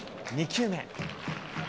２球目。